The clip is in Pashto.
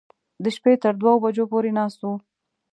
د شپې تر دوو بجو پورې ناست و.